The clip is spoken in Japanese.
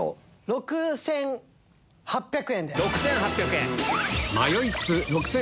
６８００円で。